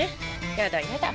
やだやだ。